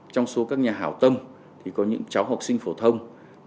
trong số các nhà hảo tâm thì có những cháu học sinh phổ thông